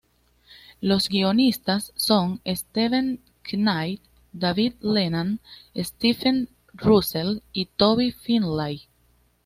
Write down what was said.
Los guionistas son Steven Knight, David Leland, Stephen Russell y Toby Finlay.